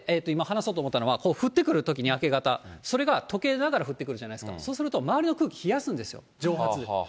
今、話そうと思ったのは、降ってくるときに、明け方、それがとけながら降ってくるじゃないですか、そうすると周りの空気、冷やすんですよ、蒸発。